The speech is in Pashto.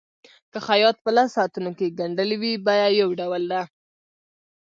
که خیاط په لسو ساعتونو کې ګنډلي وي بیه یو ډول ده.